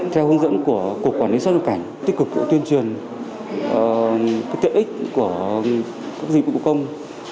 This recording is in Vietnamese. theo hướng dẫn của cục quản lý xuất nhập cảnh tích cực tuyên truyền tiện ích của dịch vụ công